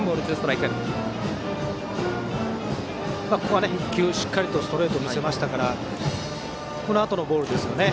ここは１球ストレートを見せましたからこのあとのボールですね。